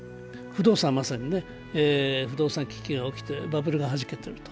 不動産はまさに不動産危機が起きてバブルがはじけていると。